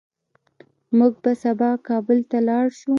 موږ به سبا کابل ته لاړ شو